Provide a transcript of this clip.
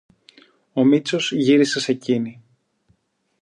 Ο Μήτσος γύρισε σ' εκείνη.